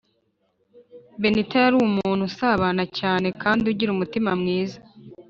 Benitha Yarumuntu usabana cyane kandi ugira umutima mwiza